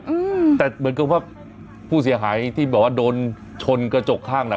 อืมแต่เหมือนกับว่าผู้เสียหายที่แบบว่าโดนชนกระจกข้างน่ะ